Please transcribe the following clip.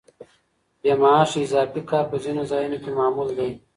بې معاشه اضافي کار په ځینو ځایونو کې معمول دی.